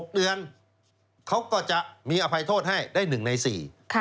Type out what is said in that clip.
๖เดือนเขาก็จะมีอภัยโทษให้ได้๑ใน๔